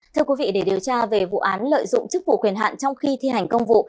thưa quý vị để điều tra về vụ án lợi dụng chức vụ quyền hạn trong khi thi hành công vụ